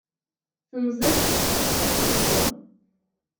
Temẓi ad tt-teẓẓem.